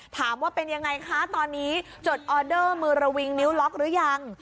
ถามว่าเป็นยังไงคะตอนนี้จดออเดอร์มือระวิงนิ้วล็อกหรือยัง